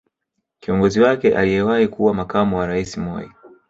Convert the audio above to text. Kiongozi wake aliyewahi kuwa makamu wa rais Moi